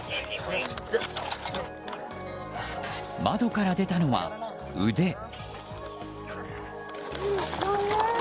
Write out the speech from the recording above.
窓から出たのは腕。